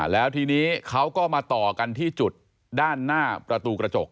แล้วทีนี้เขาก็มาต่อกันที่จุดด้านหน้าประตูกระจก